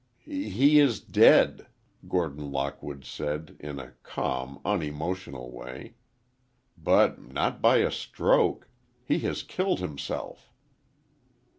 "He is dead," Gordon Lockwood said, in a calm, unemotional way. "But not by a stroke—he has killed himself."